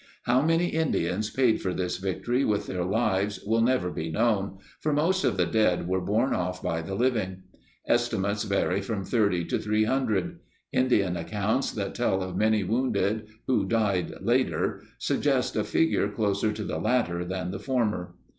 How many Indians paid for this victory with their lives will never be known, for most of the dead were borne off by the living. Estimates vary from 30 to 300. Indian accounts that tell of many wounded who died later suggest a figure closer to the latter than the former.